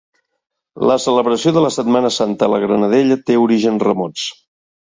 La celebració de la Setmana Santa a la Granadella té orígens remots.